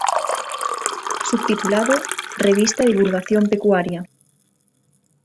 Subtitulado "Revista de Divulgación Pecuaria.